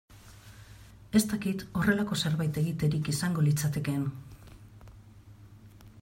Ez dakit horrelako zerbait egiterik izango litzatekeen.